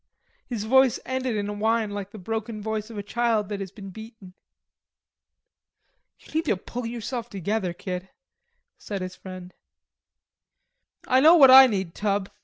His voice ended in a whine like the broken voice of a child that has been beaten. "You need to pull yourself together, kid," said his friend. "I know what I need, Tub.